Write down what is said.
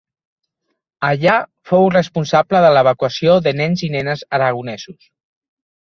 Allà fou responsable de l’evacuació de nens i nenes aragonesos.